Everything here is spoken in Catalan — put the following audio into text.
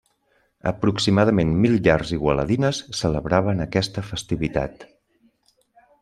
Aproximadament mil llars igualadines celebraven aquesta festivitat.